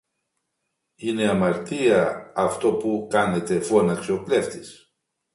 Είναι αμαρτία αυτό που κάνετε φώναξε ο κλέφτης.